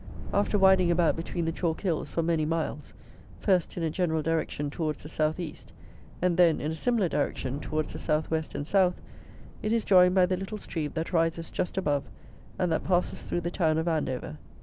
After winding about between the chalk hills, for many miles, first in a general direction towards the south east, and then in a similar direction towards the south west and south, it is joined by the little stream that rises just above and that passes through the town of Andover.